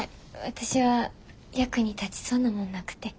私は役に立ちそうなもんなくて。